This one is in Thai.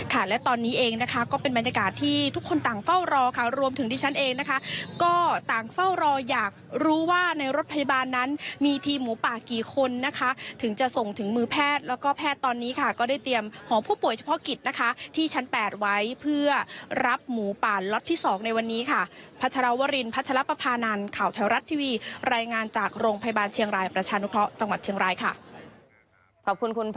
ค่ะและตอนนี้เองนะคะก็เป็นบรรยากาศที่ทุกคนต่างเฝ้ารอค่ะรวมถึงที่ฉันเองนะคะก็ต่างเฝ้ารออยากรู้ว่าในรถพยาบาลนั้นมีทีมหมูปากี่คนนะคะถึงจะส่งถึงมือแพทย์แล้วก็แพทย์ตอนนี้ค่ะก็ได้เตรียมของผู้ป่วยเฉพาะกิจนะคะที่ชั้นแปดไว้เพื่อรับหมูปาล็อตที่สองในวันนี้ค่ะพัชรวรินพัชรปภาพานานข่าวแถ